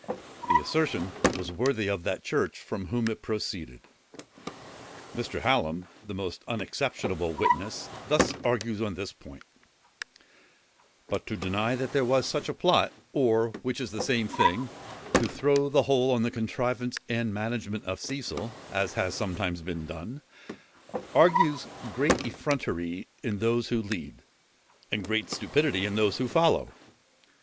The assertion was worthy of that church from whom it proceeded. Mr. Hallam, a most unexceptionable witness, thus argues on this point: "But to deny that there was such a plot, or, which is the same thing, to throw the whole on the contrivance and management of Cecil, as has sometimes been done, argues great effrontery in those who lead, and great stupidity in those who follow.